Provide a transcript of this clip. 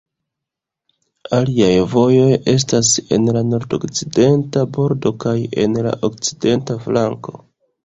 Aliaj vojoj estas en la nordokcidenta bordo kaj en la okcidenta flanko.